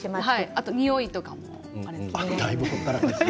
あと、においとかもあれですね。